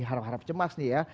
harap harap cemas nih ya